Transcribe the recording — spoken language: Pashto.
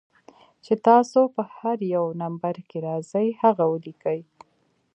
چې تاسو پۀ هر يو نمبر کښې راځئ هغه وليکئ